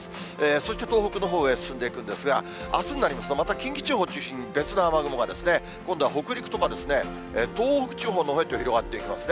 そして東北のほうへと進んでいくんですが、あすになりますと、また近畿地方を中心に、別の雨雲が、今度は北陸とかですね、東北地方のほうへと広がっていきますね。